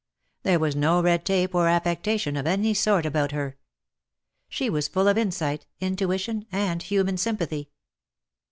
There was no red tape or affectation of any sort about her. She was full of insight, intuition and human sympathy.